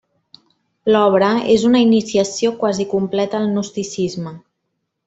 L'obra és una iniciació quasi completa al gnosticisme.